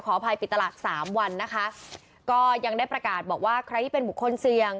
อภัยปิดตลาดสามวันนะคะก็ยังได้ประกาศบอกว่าใครที่เป็นบุคคลเสี่ยง